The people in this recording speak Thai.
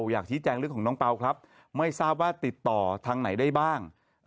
อยากชี้แจงเรื่องของน้องเปล่าครับไม่ทราบว่าติดต่อทางไหนได้บ้าง